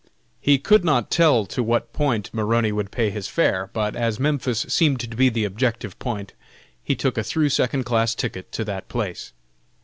He could not tell to what point Maroney would pay his fare, but as Memphis seemed to be the objective point, he took a through second class ticket to that place.